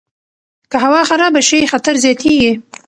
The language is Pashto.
که هوا خرابه شي، خطر زیاتیږي.